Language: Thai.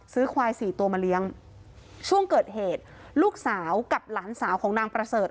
ควายสี่ตัวมาเลี้ยงช่วงเกิดเหตุลูกสาวกับหลานสาวของนางประเสริฐ